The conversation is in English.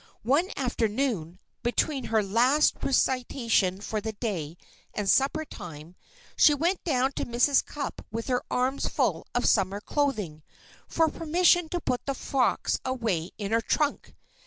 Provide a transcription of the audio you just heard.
One afternoon, between her last recitation for the day and suppertime, she went down to Mrs. Cupp with her arms full of summer clothing, for permission to put the frocks away in her trunk.